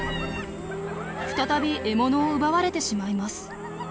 再び獲物を奪われてしまいます。